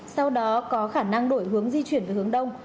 sau đó có khả năng đổi hướng di chuyển về hướng đông